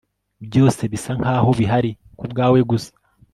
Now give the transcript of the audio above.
byose bisa nkaho bihari kubwawe gusa